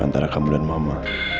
antara kamu dan mama